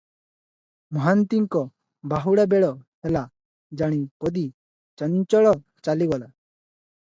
ମହାନ୍ତିଙ୍କ ବାହୁଡ଼ା ବେଳ ହେଲା ଜାଣି ପଦୀ ଚଞ୍ଚଳ ଚାଲିଗଲା ।